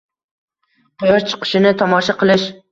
Quyosh chiqishini tomosha qilish